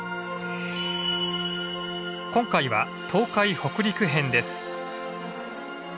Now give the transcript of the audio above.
今回は東海北陸編です。